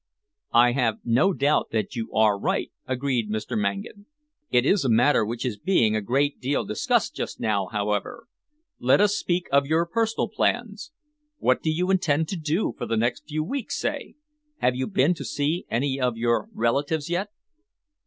"I have no doubt that you are right," agreed Mr. Mangan. "It is a matter which is being a great deal discussed just now, however. Let us speak of your personal plans. What do you intend to do for the next few weeks, say? Have you been to see any of your relatives yet?"